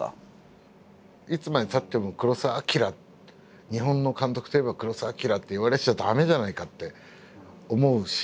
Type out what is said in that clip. いつまでたっても黒澤明「日本の監督といえば黒澤明」って言われてちゃ駄目じゃないかって思うし。